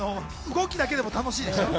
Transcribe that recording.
動きだけでも楽しいでしょ？